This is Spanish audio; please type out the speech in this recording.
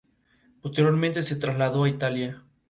Es originaria de Guatemala donde se distribuye por Zacapa.